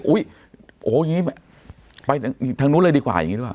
โอ้ยอย่างนี้ไปทางนู้นเลยดีกว่าอย่างนี้ด้วยวะ